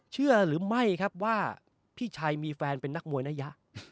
เชื่อหรือไม่ครับว่าพี่ชัยมีแฟนเป็นนักมวยนายะ